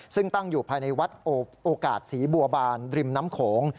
ซึ่งตั้งอยู่ภายในวัดโอกาสศรีบัวบานริมน้ำโขง